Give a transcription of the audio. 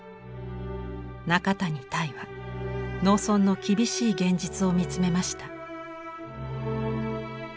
中谷泰は農村の厳しい現実を見つめました。